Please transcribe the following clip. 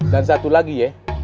dan satu lagi ya